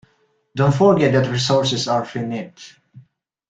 Don't forget that resources are finite.